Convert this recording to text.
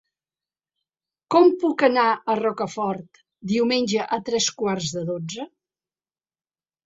Com puc anar a Rocafort diumenge a tres quarts de dotze?